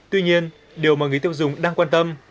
tuy nhiên điều mà người tiêu dùng đang quan tâm